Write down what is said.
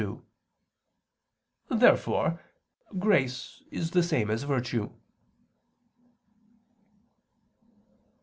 Therefore grace is the same as virtue.